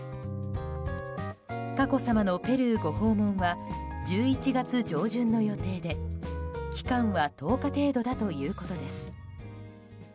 佳子さまのペルーご訪問は１１月上旬の予定で期間は１０日程度だということです。